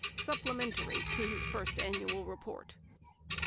SUPPLEMENTARY TO HIS FIRST ANNUAL REPORT.